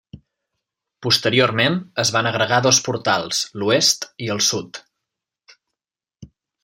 Posteriorment, es van agregar dos portals, l'oest i el sud.